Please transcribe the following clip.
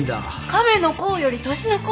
亀の甲より年の功！